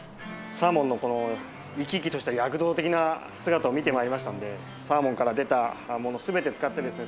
サーモンのこの生き生きとした躍動的な姿を見て参りましたのでサーモンから出たもの全て使ってですね